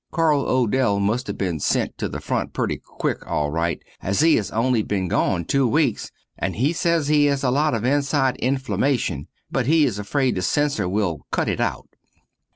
Carl Odell must have been sent to the front pretty quick al rite as he has only been gone too weaks, and he sez he has a lot of inside inflammation, but he is afraid the censer will cut it out.